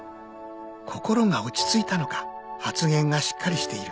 心が落ち着いたのか発言がしっかりしている